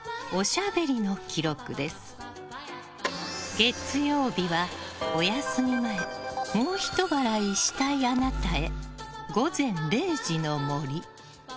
月曜日は、お休み前もうひと笑いしたいあなたへ。